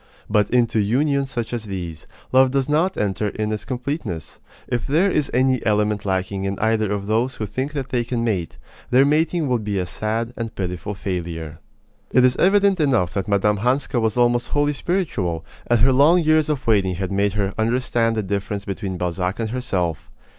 But into unions such as these, love does not enter in its completeness. If there is any element lacking in either of those who think that they can mate, their mating will be a sad and pitiful failure. It is evident enough that Mme. Hanska was almost wholly spiritual, and her long years of waiting had made her understand the difference between Balzac and herself.